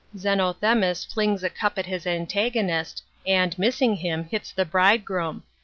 Zennthemis flings a cup at his antagonist, and, missing him, hits the bridegroom.